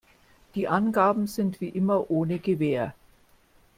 Die Angaben sind wie immer ohne Gewähr.